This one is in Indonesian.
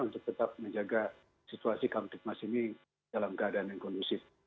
untuk tetap menjaga situasi kamtipmas ini dalam keadaan yang kondusif